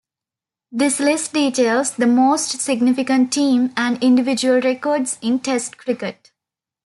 This list details the most significant team and individual records in Test cricket.